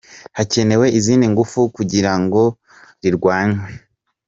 Hakenewe izindi ngufu kugira ngo rirwanywe.